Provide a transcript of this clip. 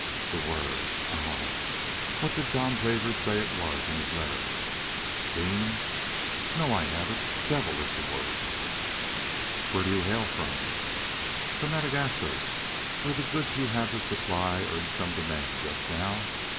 "The word—Ah! what did the Dom Xavier say it was in his letter? 'Fiend!' No, I have it, 'Devil' is the word." "Where do you hail from?" "From Madagascar, where the goods you have to supply are in some demand just now.